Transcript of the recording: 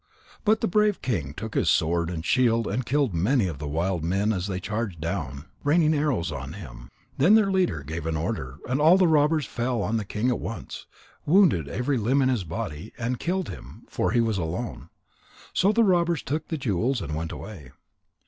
But the brave king took his sword and shield and killed many of the wild men as they charged down, raining arrows on him. Then their leader gave an order, and all the robbers fell on the king at once, wounded every limb in his body, and killed him; for he was all alone. So the robbers took the jewels and went away.